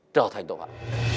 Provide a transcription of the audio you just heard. trở thành tội phạm